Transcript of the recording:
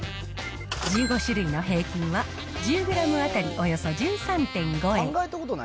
１５種類の平均は、１０グラム当たりおよそ１３．５円。